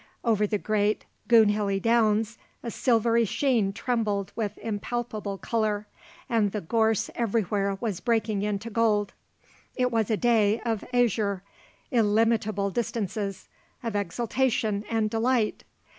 Over the great Goonhilly Downs a silvery sheen trembled with impalpable colour and the gorse everywhere was breaking into gold. It was a day of azure, illimitable distances; of exultation and delight.